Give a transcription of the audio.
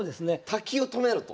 滝を止めろと？